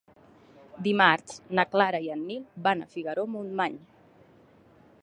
Dimarts na Clara i en Nil van a Figaró-Montmany.